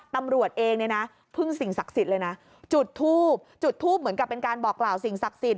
ตำรวจเองฟึงสิ่งศักดิ์สิทธิ์เลยจุดทูบเหมือนกับเป็นการบอกกล่าวสิ่งศักดิ์สิทธิ์